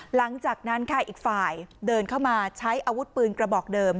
หลังจากนั้นค่ะอีกฝ่ายเดินเข้ามาใช้อาวุธปืนกระบอกเดิม